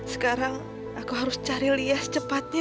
sekarang aku harus cari lias cepatnya